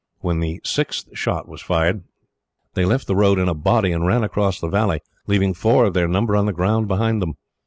When the sixth shot was fired, they left the road in a body, and ran across the valley, leaving four of their number on the ground behind them.